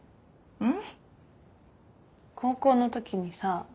うん。